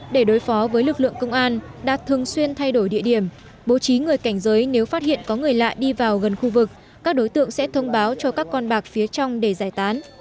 để đối phó với lực lượng công an đạt thường xuyên thay đổi địa điểm bố trí người cảnh giới nếu phát hiện có người lạ đi vào gần khu vực các đối tượng sẽ thông báo cho các con bạc phía trong để giải tán